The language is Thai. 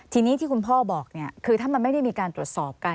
ทีนี้ที่คุณพ่อบอกเนี่ยคือถ้ามันไม่ได้มีการตรวจสอบกัน